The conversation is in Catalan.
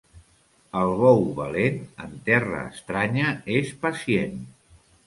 El bou valent, en terra estranya és pacient.